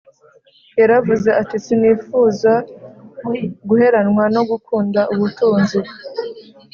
Yaravuze ati sinifuza guheranwa no gukunda ubutunzi